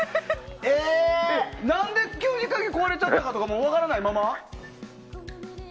なんで急に鍵壊れたとかも分からないまま？